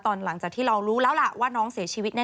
หลังจากที่เรารู้แล้วล่ะว่าน้องเสียชีวิตแน